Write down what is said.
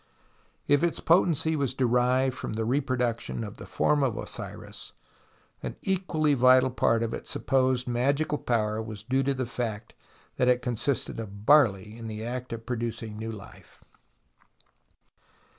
If its potency was derived from the reproduction of the form of Osiris, an equally vital part of its supposed magical power was due to the fact that it consisted of barley in the act of pro ducing new life.